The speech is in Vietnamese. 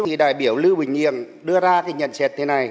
vì đại biểu lưu bình nhưỡng đưa ra cái nhận xét thế này